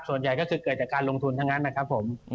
ส่วนใหญ่ก็คือเกิดจากการลงทุนทั้งนั้นนะครับผม